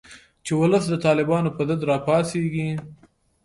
چې ولس د طالبانو په ضد راپاڅیږي